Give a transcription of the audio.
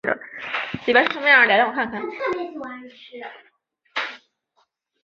宽裂北乌头为毛茛科乌头属下的一个变种。